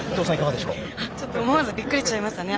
思わずびっくりしちゃいましたね。